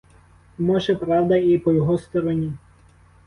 Може, правда і по його стороні.